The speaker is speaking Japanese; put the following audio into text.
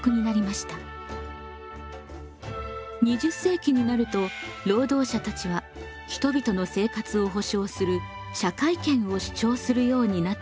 ２０世紀になると労働者たちは人々の生活を保障する社会権を主張するようになったのです。